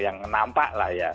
yang nampak lah ya